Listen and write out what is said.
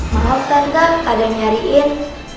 maaf tante ada yang nyariin